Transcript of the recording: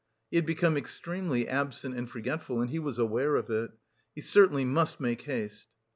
He had become extremely absent and forgetful and he was aware of it. He certainly must make haste.